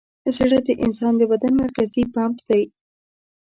زړه د انسان د بدن مرکزي پمپ دی.